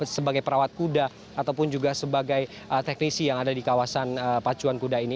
sebagai perawat kuda ataupun juga sebagai teknisi yang ada di kawasan pacuan kuda ini